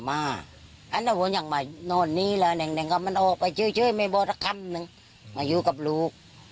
แปลว่าท่านนี้ยังรู้ว่าเธอยังคบกันอยู่